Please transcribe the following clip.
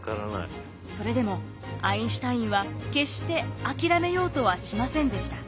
それでもアインシュタインは決して諦めようとはしませんでした。